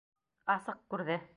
Асыҡ күрҙе.